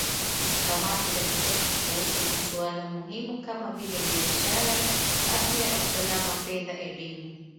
kamati za kisekta kuhusu masuala muhimu kama vile biashara afya usalama fedha elimu